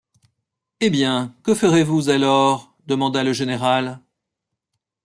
Eh bien! que ferez-vous alors? demanda le général.